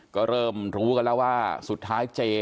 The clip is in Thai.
ก็เริ่มรู้กันแล้วว่าสุดท้ายเจ